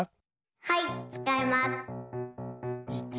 はいつかいます。